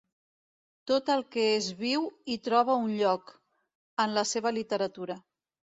Tot el que és viu hi troba un lloc, en la seva literatura.